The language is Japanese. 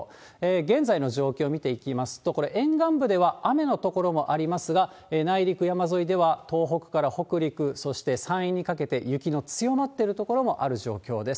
現在の状況を見ていきますと、これ、沿岸部では雨の所もありますが、内陸、山沿いでは、東北から北陸、そして山陰にかけて雪の強まっている所もある状況です。